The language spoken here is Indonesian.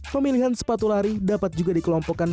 pemilihan sepatu lari dapat juga dikelompokkan